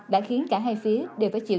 đã khiến cả hai phía đều phải chịu